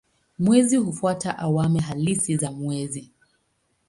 Mwezi hufuata awamu halisi za mwezi.